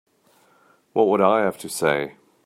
What would I have to say?